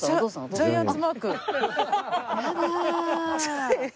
ジャイアンツマーク。